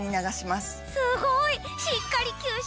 すごい！